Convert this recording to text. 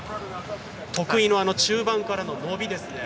得意の中盤からの伸び。